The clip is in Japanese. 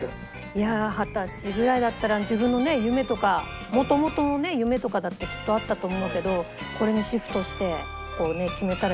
いやあ二十歳ぐらいだったら自分の夢とかもともとの夢とかだってきっとあったと思うけどこれにシフトして決めたらやってるっていうのがすごい。